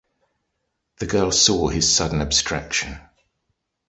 The girl saw his sudden abstraction.